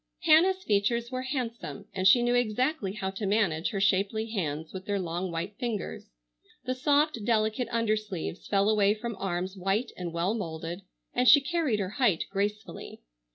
Hannah's features were handsome and she knew exactly how to manage her shapely hands with their long white fingers. The soft delicate undersleeves fell away from arms white and well moulded, and she carried her height gracefully.